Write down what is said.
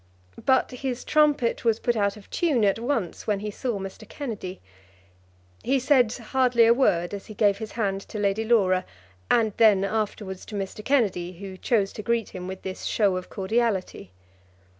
But his trumpet was put out of tune at once when he saw Mr. Kennedy. He said hardly a word as he gave his hand to Lady Laura, and then afterwards to Mr. Kennedy, who chose to greet him with this show of cordiality.